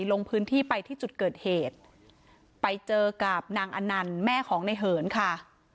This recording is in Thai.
ลงพื้นที่ไปที่จุดเกิดเหตุไปเจอกับนางอนันต์แม่ของในเหินค่ะ